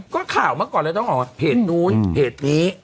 ก็ข่าวมาก่อนแล้วต้องออกเพจนู้นเพจนี้